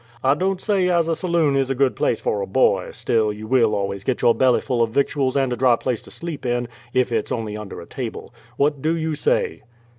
I don't say as a saloon is a good place for a boy, still you will always get your bellyful of victuals and a dry place to sleep in, if it's only under a table. What do you say?"